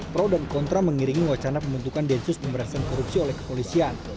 pro dan kontra mengiringi wacana pembentukan densus pemberantasan korupsi oleh kepolisian